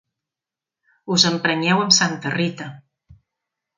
Us emprenyeu amb santa Rita.